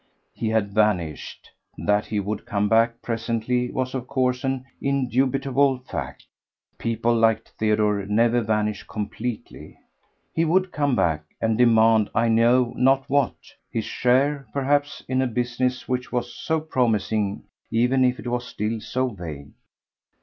He had vanished; that he would come back presently was, of course, an indubitable fact; people like Theodore never vanish completely. He would come back and demand I know not what, his share, perhaps, in a business which was so promising even if it was still so vague.